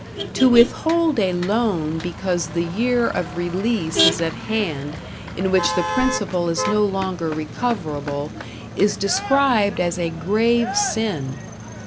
To withhold a loan because the year of release is at hand in which the principal is no longer recoverable, is described as a grave sin.